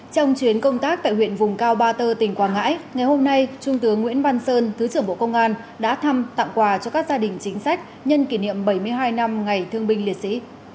trong chuyến công tác tại huyện vùng cao ba tơ tỉnh quảng ngãi ngày hôm nay trung tướng nguyễn văn sơn thứ trưởng bộ công an đã thăm tặng quà cho các gia đình chính sách nhân kỷ niệm bảy mươi hai năm ngày thương binh liệt sĩ